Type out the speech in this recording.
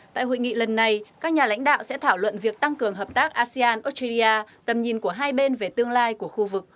tại hội nghị lần này các nhà lãnh đạo sẽ thảo luận việc tăng cường hợp tác asean australia tầm nhìn của hai bên về tương lai của khu vực